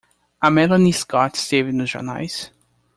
A Melanie Scott esteve nos jornais?